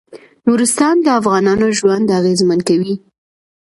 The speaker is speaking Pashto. نورستان د افغانانو ژوند اغېزمن کوي.